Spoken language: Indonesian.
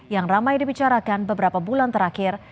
yang ramai dibicarakan beberapa bulan terakhir